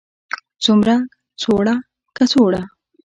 څومره, څوړه، کڅوړه